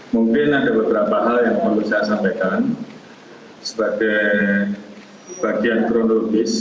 mungkin ada beberapa hal yang perlu saya sampaikan sebagai bagian kronologis